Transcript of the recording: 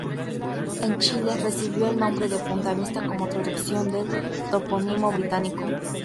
En Chile recibió el nombre de punta Vista como traducción del topónimo británico.